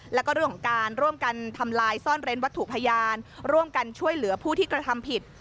แล้วก็เรื่องของการร่วมกันทำลายซ่อนเร้นวัตถุพยานร่วมกันช่วยเหลือผู้ที่กระทำผิด